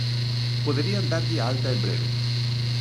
Poderían darlle a alta en breve.